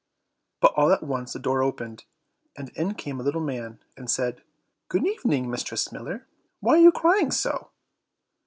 But all at once the door opened, and in came a little man, and said, "Good evening, Mistress Miller; why are you crying so?"